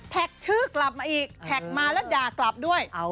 ชื่อกลับมาอีกแท็กมาแล้วด่ากลับด้วย